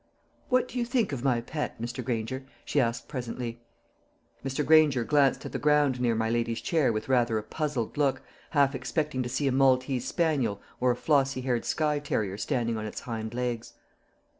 "What do you think of my pet, Mr. Granger?" she asked presently. Mr. Granger glanced at the ground near my lady's chair with rather a puzzled look, half expecting to see a Maltese spaniel or a flossy haired Skye terrier standing on its hind legs.